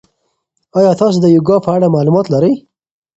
ایا تاسي د یوګا په اړه معلومات لرئ؟